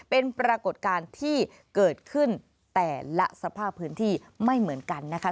เป็นปรากฏการณ์ที่เกิดขึ้นแต่ละสภาพพื้นที่ไม่เหมือนกันนะคะ